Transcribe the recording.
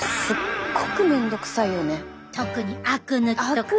もう特にあく抜きとか。